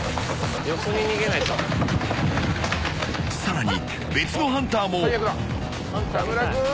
［さらに別のハンターも］